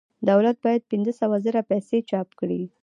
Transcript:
دولت باید پنځه سوه زره پیسې چاپ کړي